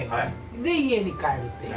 で家に帰るっていうね